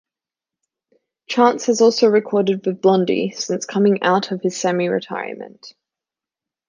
Chance has also recorded with Blondie since coming out of his semi-retirement.